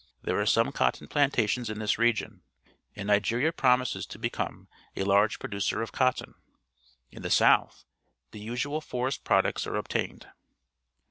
There are some cotton plantations in tliis region, and Nigeria promises to become a large producer of cotton. In the south the usual forest products are obtained.